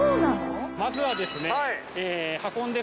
まずはですね。